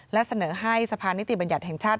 และเสนอให้สะพานนิติบัญญัติแห่งชาติ